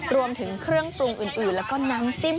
รวมถึงเครื่องปรุงอื่นแล้วก็น้ำจิ้ม